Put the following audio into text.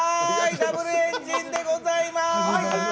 Ｗエンジンでございます。